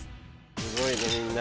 すごいねみんな。